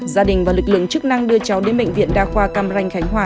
gia đình và lực lượng chức năng đưa cháu đến bệnh viện đa khoa cam ranh khánh hòa